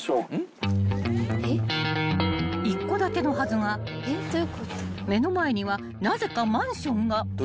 ［一戸建てのはずが目の前にはなぜかマンションが］